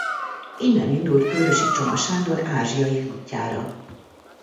Innen indult Kőrösi Csoma Sándor ázsiai útjára.